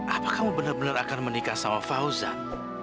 apa kamu bener bener akan menikah sama fauzan